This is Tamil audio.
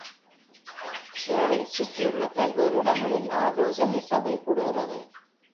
Shire -ஐ சுற்றியுள்ள பல்வேறு இடங்களில் ஆலோசனை சபை கூடுகிறது.